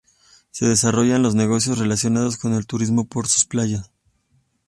Se desarrollan los negocios relacionados con el turismo por sus playas.